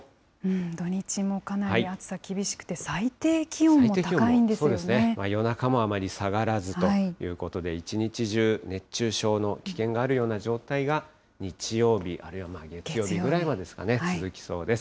土日もかなり暑さ、厳しくて、そうですね、夜中もあまり下がらずということで、一日中、熱中症の危険があるような状態が、日曜日、あるいは月曜日ぐらいまでですかね、続きそうです。